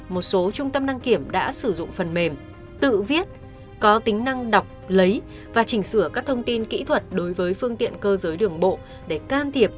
một số trung tâm đăng kiểm đã sử dụng phần mềm tự viết có tính năng đọc lấy và chỉnh sửa các thông tin kỹ thuật đối với phương tiện cơ giới đường bộ để can thiệp